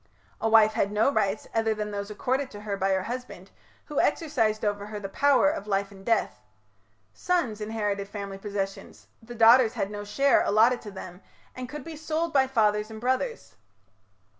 A wife had no rights other than those accorded to her by her husband, who exercised over her the power of life and death. Sons inherited family possessions; the daughters had no share allotted to them, and could be sold by fathers and brothers.